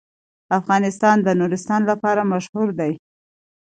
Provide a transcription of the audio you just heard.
افغانستان د نورستان لپاره مشهور دی.